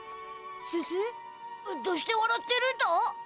どうしてわらってるだ？